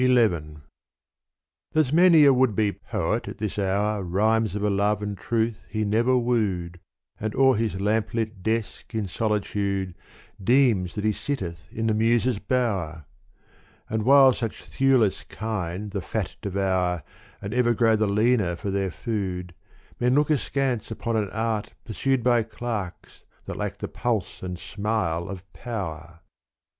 XI There 's many a would be poet at this hour Rhymes of a love and truth he never wooed And o'er his lamplit desk in solitude Deems that he sitteth in the Muses' bower. And while such thewless kine the fat devour And ever grow the leaner for their food Men look askance upon an art pursued By clerks that lack the pulse and smile of power.